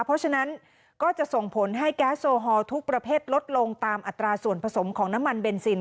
เพราะฉะนั้นก็จะส่งผลให้แก๊สโซฮอลทุกประเภทลดลงตามอัตราส่วนผสมของน้ำมันเบนซิน